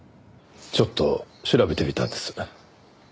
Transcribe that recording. ちょっと調べてみたんです。